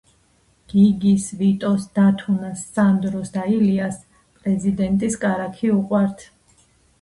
გიგის, ვიტოს, დათუნას, სანდროს და ილიას პრეზიდენტის კარაქი უყვართ